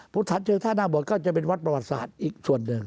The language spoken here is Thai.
พุทธฐานเชิงท่านาบทก็จะเป็นวัดประวัติศาสตร์อีกส่วนหนึ่ง